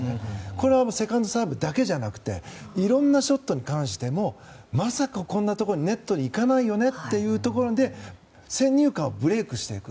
これはセカンドサーブだけじゃなくていろんなショットに関してもまさかこんなところにネットに行かないよねというところで先入観をブレークしていく。